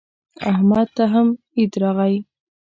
احمد ته هم عید راغی.